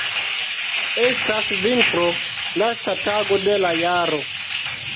Estas vintro, lasta tago de la jaro.